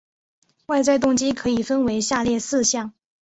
外在动机可以分成下列四项